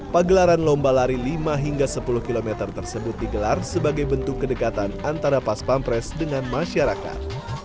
pagelaran lomba lari lima hingga sepuluh km tersebut digelar sebagai bentuk kedekatan antara pas pampres dengan masyarakat